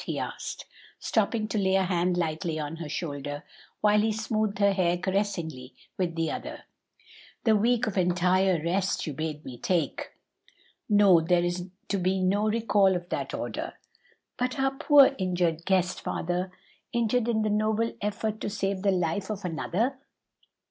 he asked, stopping to lay a hand lightly on her shoulder, while he smoothed her hair caressingly with the other. "The week of entire rest you bade me take." "No; there is to be no recall of that order." "But our poor injured guest, father? injured in the noble effort to save the life of another!"